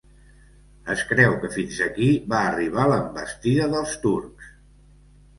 Es creu que fins aquí va arribar l'envestida dels turcs.